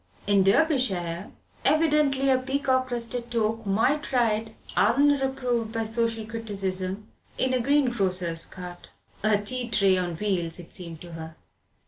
In Derbyshire, evidently, a peacock crested toque might ride, unreproved by social criticism, in a greengrocer's cart. A tea tray on wheels it seemed to her.